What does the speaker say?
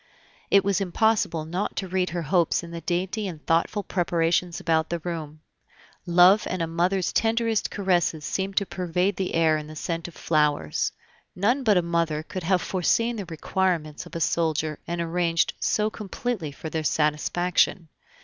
It was impossible not to read her hopes in the dainty and thoughtful preparations about the room; love and a mother's tenderest caresses seemed to pervade the air in the scent of flowers. None but a mother could have foreseen the requirements of a soldier and arranged so completely for their satisfaction.